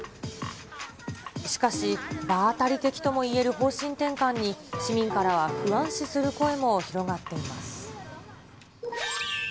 しかし、場当たり的ともいえる方針転換に、市民からは不安視する声も広がっています。